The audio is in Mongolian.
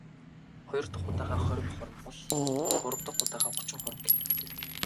Хоёр дахь удаагаа хорин хором бол.. Гурав дахь удаад гучин хором гэх мэтээр.